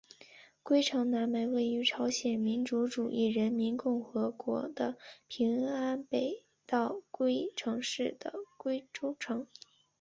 龟城南门位于朝鲜民主主义人民共和国的平安北道龟城市的龟州城。